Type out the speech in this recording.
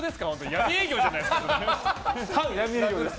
闇営業じゃないですか。